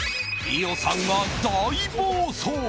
伊代さんが大暴走！